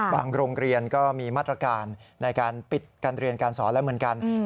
โรงเรียนก็มีมาตรการในการปิดการเรียนการสอนแล้วเหมือนกัน